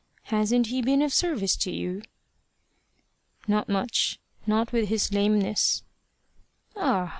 "Hasn't he been of service to you?" "Not much, not with his lameness" "Ah!"